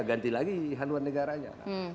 ganti lagi haluan negaranya